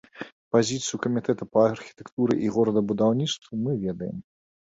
Пазіцыю камітэта па архітэктуры і горадабудаўніцтву мы ведаем.